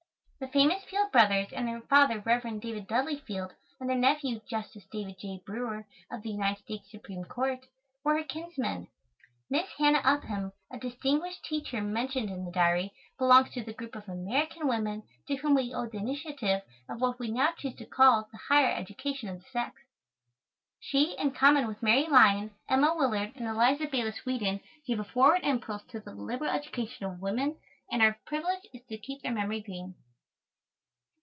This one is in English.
The famous Field brothers and their father, Rev. David Dudley Field, and their nephew, Justice David J. Brewer, of the United States Supreme Court, were her kinsmen. Miss Hannah Upham, a distinguished teacher mentioned in the Diary, belongs to the group of American women to whom we owe the initiative of what we now choose to call the higher education of the sex. She, in common with Mary Lyon, Emma Willard, and Eliza Bayliss Wheaton, gave a forward impulse to the liberal education of women, and our privilege is to keep their memory green.